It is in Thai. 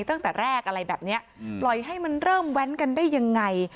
ตั้งแต่แรกอะไรแบบนี้ปล่อยให้มันเริ่มแว้นกันได้ยังไง